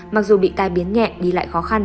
mặc dù bị tai biến nhẹ đi lại khó khăn